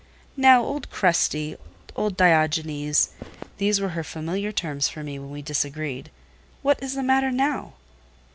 "Now, old Crusty—old Diogenes" (these were her familiar terms for me when we disagreed), "what is the matter now?"